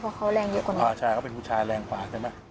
เพราะที่เขาแรงเยอะกว่า